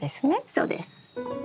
そうです。